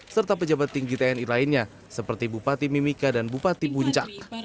serta pejabat tinggi tni lainnya seperti bupati mimika dan bupati puncak